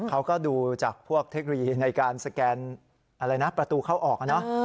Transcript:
เขาก็ดูจากพวกเทคลียร์ในการสแกนประตูเข้าออก